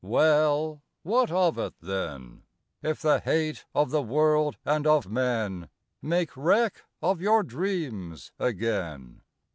II Well, what of it then? if the hate of the world and of men Make wreck of your dreams again?